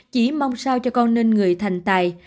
chỉ mong sao cho con nên người thành tài